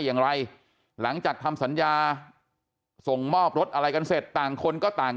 อย่างไรหลังจากทำสัญญาส่งมอบรถอะไรกันเสร็จต่างคนก็ต่าง